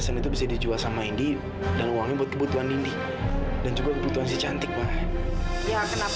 sampai jumpa di video selanjutnya